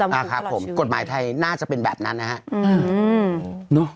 นะครับผมกฎหมายไทยน่าจะเป็นแบบนั้นนะครับ